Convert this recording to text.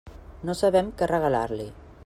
No sabem què regalar-li.